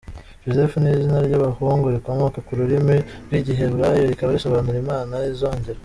Joseph ni izina ry’abahungu rikomoka ku rurimi rw’Igiheburayi rikaba risobanura “Imana izoongera”.